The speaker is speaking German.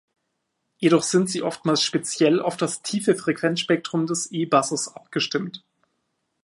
Jedoch sind sie oftmals speziell auf das tiefe Frequenzspektrum des E-Basses abgestimmt.